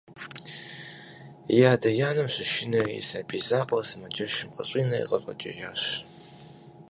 И адэ-анэм ящышынэри и сабий закъуэр сымаджэщым къыщӏинэри къыщӏэкӏыжащ.